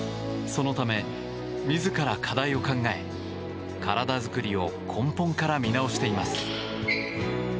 そのため、自ら課題を考え体作りを根本から見直しています。